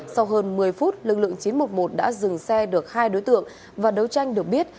sau hơn một mươi phút lực lượng chín trăm một mươi một đã dừng xe được hai đối tượng và đấu tranh được biết